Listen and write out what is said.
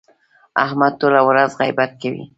احمد ټوله ورځ غیبت کوي.